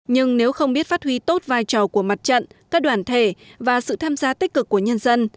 nhưng nếu không biết phát huy tốt vai trò của mặt trận các đoàn thể và sự tham gia tích cực của nhân dân